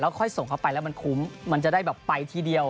ค่อยส่งเขาไปแล้วมันคุ้มมันจะได้แบบไปทีเดียว